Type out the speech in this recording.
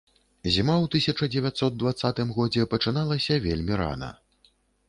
Зіма ў тысяча дзевяцьсот дваццатым годзе пачыналася вельмі рана.